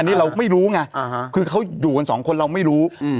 อันนี้เราไม่รู้ไงคือเขาอยู่กันสองคนเราไม่รู้